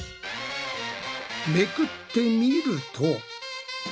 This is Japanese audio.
めくってみると。